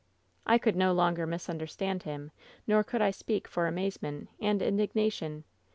"I could no longer misunderstand him; nor could I speak for amazement and indignation.